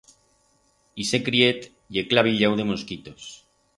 Ixe criet ye clavillau de mosquitos.